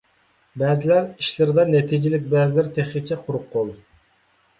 بەزىلەر ئىشلىرىدا نەتىجىلىك، بەزىلەر تېخىچە قۇرۇق قول.